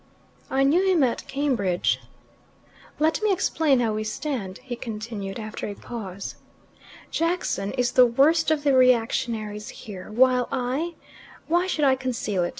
"I knew him at Cambridge." "Let me explain how we stand," he continued, after a pause. "Jackson is the worst of the reactionaries here, while I why should I conceal it?